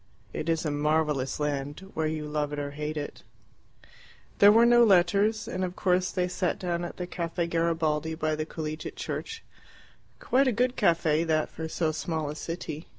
It is a marvellous land, where you love it or hate it. There were no letters, and of course they sat down at the Caffe Garibaldi, by the Collegiate Church quite a good caffe that for so small a city.